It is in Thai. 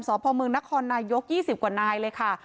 ศภเมืองนครนายก๒๐กว่านายเลยค่ะ